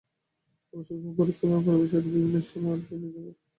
তবে সময়ের পরিক্রমায় পরিবারের সাথে বিভিন্ন সময়ে বিভিন্ন জায়গায় থাকার অভিজ্ঞতা হয়েছে।